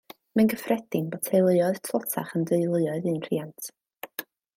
Mae'n gyffredin bod teuluoedd tlotach yn deuluoedd un rhiant